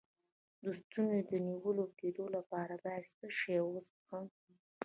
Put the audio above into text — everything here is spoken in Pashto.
د ستوني د نیول کیدو لپاره باید څه شی وڅښم؟